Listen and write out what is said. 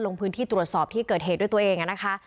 ลงพื้นที่ตรวจสอบที่เกิดเหตุด้วยตัวเองนะคะ